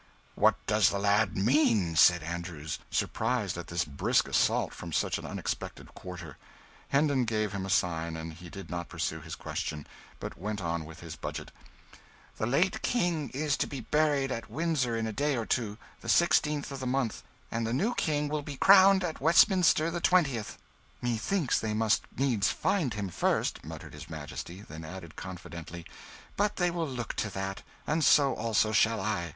"What doth the lad mean?" said Andrews, surprised at this brisk assault from such an unexpected quarter. Hendon gave him a sign, and he did not pursue his question, but went on with his budget "The late King is to be buried at Windsor in a day or two the 16th of the month and the new King will be crowned at Westminster the 20th." "Methinks they must needs find him first," muttered his Majesty; then added, confidently, "but they will look to that and so also shall I."